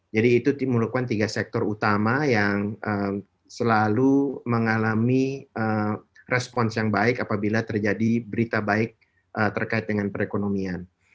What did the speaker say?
jadi itu dimulukkan tiga sektor utama yang selalu mengalami respons yang baik apabila terjadi berita baik terkait dengan perekonomian